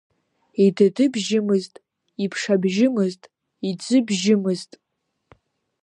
Идыдыбжьымызт, иԥшабжьымызт, иӡыбжьымызт…